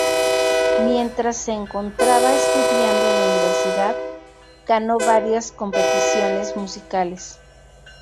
Mientras se encontraba estudiando en la Universidad, ganó varias competiciones musicales.